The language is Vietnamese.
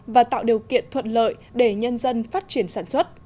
và tạo điều kiện thuận lợi để nhân dân phát triển sản xuất